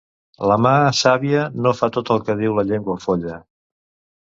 La mà sàvia no fa tot el que diu la llengua folla.